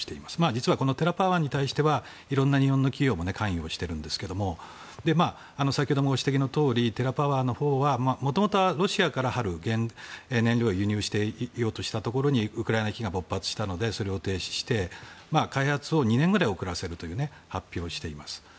実はテラパワーに対してはいろんな日本の企業も関与してるんですけども先ほども指摘のとおりテラパワーのほうはもともとはロシアからＨＡＬＥＵ、原料を輸入しようとしていたところにウクライナ危機が勃発したのでそれを停止して開発を２年くらい遅らせる発表をしています。